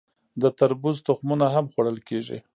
د تربوز تخمونه هم خوړل کیږي.